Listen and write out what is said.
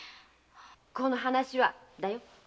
この話は内緒だよ。